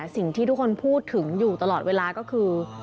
สิ่งที่ทุกคนพูดถึงอยู่ตลอดเวลาก็คือ